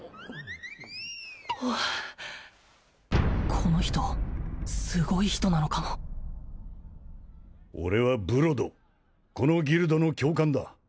この人すごい人なのかも俺はブロドこのギルドの教官だ